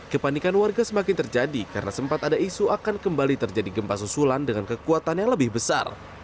kepanikan warga semakin terjadi karena sempat ada isu akan kembali terjadi gempa susulan dengan kekuatan yang lebih besar